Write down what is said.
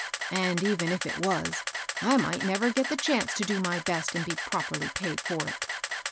And even if it was, I might never get the chance to do my best, and be properly paid for it.